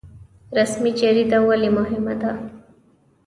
رسمي جریده ولې مهمه ده؟